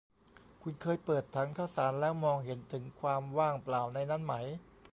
คุณเคยเปิดถังข้าวสารแล้วมองเห็นถึงความว่างเปล่าในนั้นไหม ?